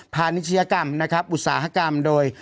นิชยกรรมนะครับอุตสาหกรรมโดย